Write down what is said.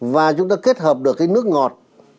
và chúng ta kết hợp được cái nước ngọt